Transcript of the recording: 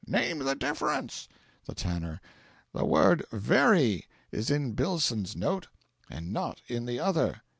"Name the difference." The Tanner. "The word VERY is in Billson's note, and not in the other."